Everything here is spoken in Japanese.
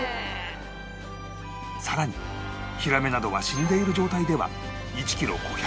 さらにヒラメなどは死んでいる状態では１キロ５００円程度